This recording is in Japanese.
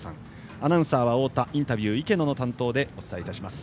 アナウンサーは太田インタビューは池野の担当でお伝えいたします。